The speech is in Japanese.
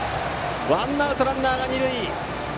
ワンアウト、ランナーが二塁！